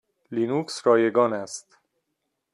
لینوکس رایگان است.